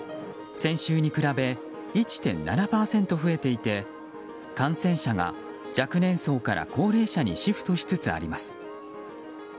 先週に比べ１．７％増えていて感染者が若年層から高齢者にシフトしつつあります。